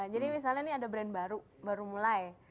jadi misalnya nih ada brand baru baru mulai